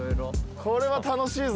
これは楽しいぞ。